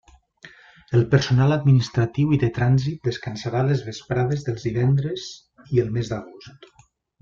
El personal administratiu i de trànsit descansarà les vesprades dels divendres i el mes d'agost.